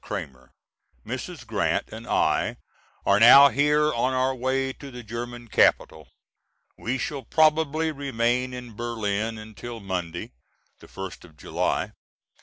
CRAMER: Mrs. Grant and I are now here on our way to the German capital. We shall probably remain in Berlin until Monday, the first of July.